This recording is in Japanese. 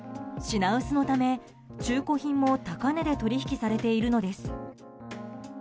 品薄のため、中古品も高値で取引されているのです。